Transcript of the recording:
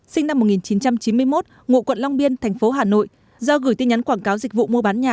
sinh năm một nghìn chín trăm chín mươi một ngụ quận long biên thành phố hà nội do gửi tin nhắn quảng cáo dịch vụ mua bán nhà